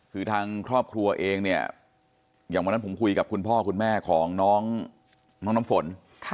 คือทางครอบครัวเองเนี่ยอย่างวันนั้นผมคุยกับคุณพ่อคุณแม่ของน้องน้ำฝน